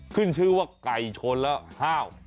ขึ้นชื่อว่าไก่ชนแล้วห้าว